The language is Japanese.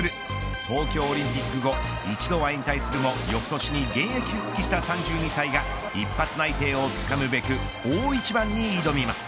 東京オリンピック後一度は引退するも翌年に現役復帰した３２歳が一発内定をつかむべく大一番に挑みます。